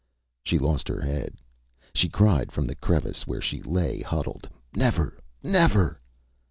She lost her head. She cried from the crevice where she lay huddled, ÂNever, never!